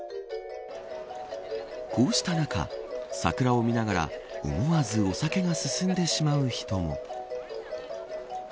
こうした中、桜を見ながら思わずお酒が進んでしまう人も。